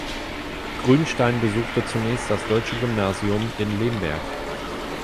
Grünstein besuchte zunächst das deutsche Gymnasium in Lemberg.